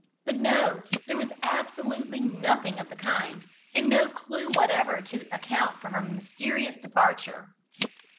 But no: there was absolutely nothing of the kind, and no clue whatever to account for her mysterious departure.